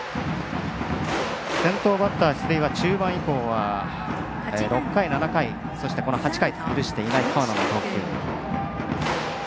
先頭バッター出塁は中盤以降は６回、７回そして、８回と許していない、河野の投球。